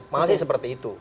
masih seperti itu